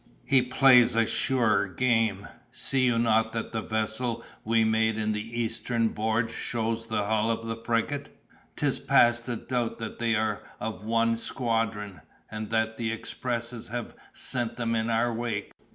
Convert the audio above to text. "He plays a surer game; see you not that the vessel we made in the eastern board shows the hull of a frigate? 'Tis past a doubt that they are of one squadron, and that the expresses have sent them in our wake.